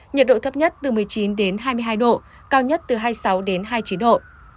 nhiệt độ thấp nhất từ một mươi chín đến hai mươi hai độ cao nhất từ hai mươi sáu đến hai mươi chín độ